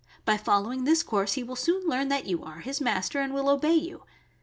By following this course he will soon learn that you are his master, and will obey you.